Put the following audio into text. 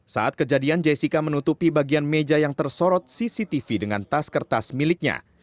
saat kejadian jessica menutupi bagian meja yang tersorot cctv dengan tas kertas miliknya